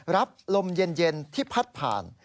รับลมเย็นที่พัดผ่าน